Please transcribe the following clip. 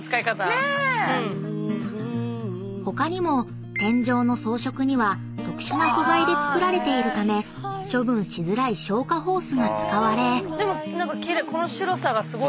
［他にも天井の装飾には特殊な素材で作られているため処分しづらい消火ホースが使われ］